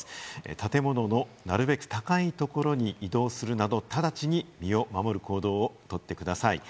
建物のなるべく高いところに移動するなど、直ちに身を守る行動をとってください。